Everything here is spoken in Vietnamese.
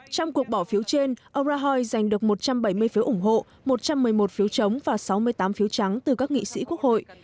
trong cuộc bỏ phiếu trên ông rahoi giành được một trăm bảy mươi phiếu ủng hộ một trăm một mươi một phiếu chống và sáu mươi tám phiếu trắng từ các nghị sĩ quốc hội